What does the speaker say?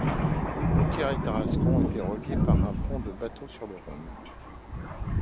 Beaucaire et Tarascon étaient reliés par un pont de bateaux sur le Rhône.